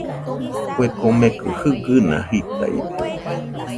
Kue komekɨ jɨgɨna jitaide.